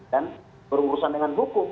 dan berurusan dengan hukum